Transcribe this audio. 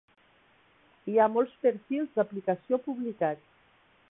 Hi ha molts perfils d'aplicació publicats.